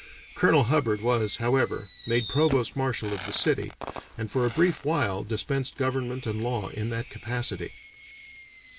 Colonel Hubbard was, however, made Provost Marshal of the city, and for a brief while dispensed government and law in that capacity."